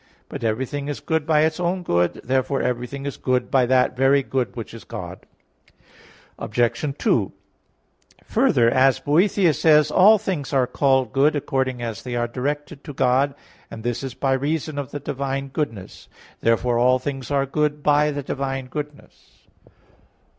But everything is good by its own good; therefore everything is good by that very good which is God. Obj. 2: Further, as Boethius says (De Hebdom.), all things are called good, accordingly as they are directed to God, and this is by reason of the divine goodness; therefore all things are good by the divine goodness.